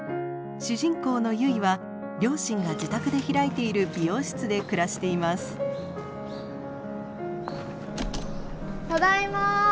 主人公の結は両親が自宅で開いている美容室で暮らしています。